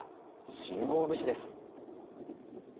信号無視です。